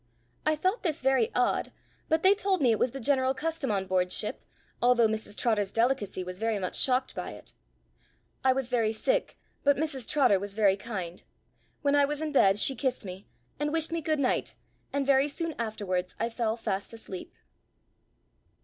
I thought this very odd, but they told me it was the general custom on board ship, although Mrs Trotter's delicacy was very much shocked by it. I was very sick, but Mrs Trotter was very kind. When I was in bed she kissed me, and wished me good night, and very soon afterwards I fell fast asleep.